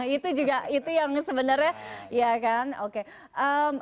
itu juga itu yang sebenarnya ya kan oke